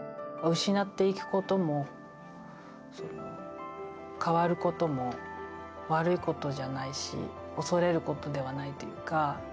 失っていくことも変わることも悪いことじゃないし恐れることではないというか。